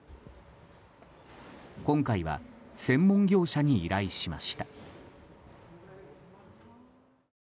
今回は専門業者に依頼しました。